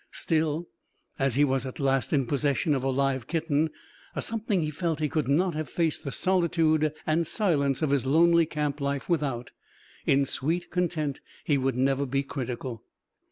Still, as he was at last in possession of a live kitten, a something he felt he could not have faced the solitude and silence of his lonely camp life without, in sweet content he would never be critical.